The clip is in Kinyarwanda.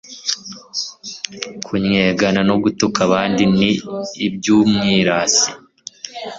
kunnyegana no gutuka abandi, ni iby'umwirasi